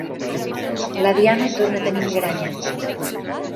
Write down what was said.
La Diana torna a tenir migranya.